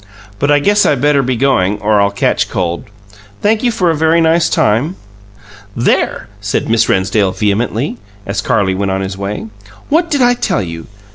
"I guess I better be going or I'll catch cold. Thank you for a very nice time." "There!" said Miss Rennsdale vehemently, as Carlie went on his way. "What did I tell you?